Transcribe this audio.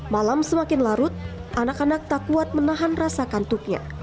malam semakin larut anak anak tak kuat menahan rasa kantuknya